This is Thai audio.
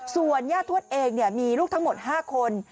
ส่วนญาติทวดเองเนี่ยมีลูกทั้งหมด๕คน